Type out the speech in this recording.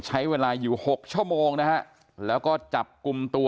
ใช้เวลาอยู่หกชั่วโมงนะฮะแล้วก็จับกลุ่มตัว